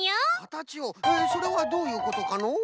かたちをそれはどういうことかのう？